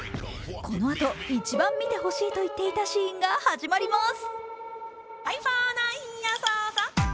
このあと、一番見てほしいといっていたシーンが始まります。